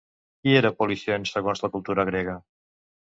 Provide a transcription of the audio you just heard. Qui era Polixen segons la cultura grega?